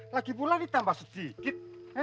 lagipula ini tambah sedikit